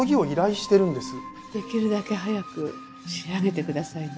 できるだけ早く仕上げてくださいね。